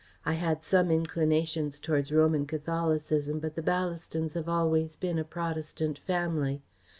I had some inclinations towards Roman Catholicism, but the Ballastons have always been a Protestant family.